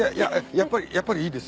やっぱりやっぱりいいです。